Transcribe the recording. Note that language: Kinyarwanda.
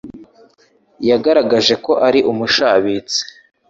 yagaragaje ko ari umushabitsi